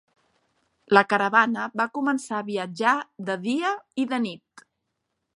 La caravana va començar a viatjar de dia i de nit.